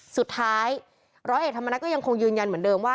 สุดท้ายร้อยเอกธรรมนัฐก็ยังคงยืนยันเหมือนเดิมว่า